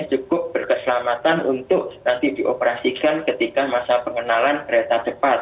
cukup berkeselamatan untuk nanti dioperasikan ketika masa pengenalan kereta cepat